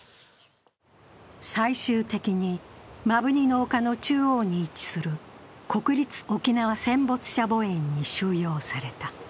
最終的に、摩文仁の丘中央に位置する国立沖縄戦没者墓苑に収容された。